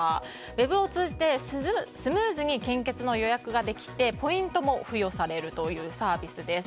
ウェブを通じてスムーズに献血の予約ができてポイントも付与されるというサービスです。